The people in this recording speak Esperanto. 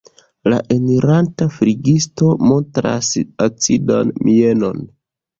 La eniranta flegisto montras acidan mienon.